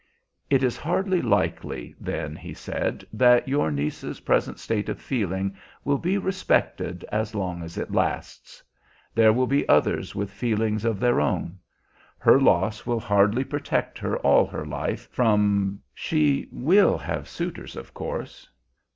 "It is hardly likely," then he said, "that your niece's present state of feeling will be respected as long as it lasts; there will be others with feelings of their own. Her loss will hardly protect her all her life from she will have suitors, of course!